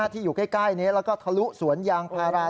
ที่อยู่ใกล้นี้แล้วก็ทะลุสวนยางพารา